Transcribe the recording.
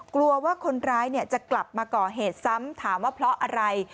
กลัวว่าคนร้ายจะกลับมาก่อเหตุซ้ำถามว่าเพราะอะไร